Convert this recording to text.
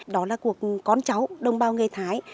đó là cuộc con cháu đồng bào người thái